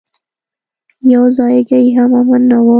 يو ځايګى هم امن نه و.